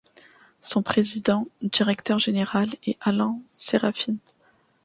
Son président-directeur général est Alain Séraphine.